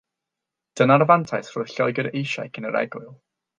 Dyna'r fantais roedd Lloegr eisiau cyn yr egwyl